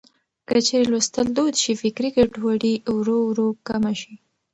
که چېرې لوستل دود شي، فکري ګډوډي ورو ورو کمه شي.